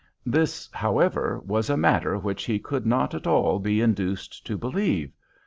This, however, was a matter which he could not at all be induced to believe.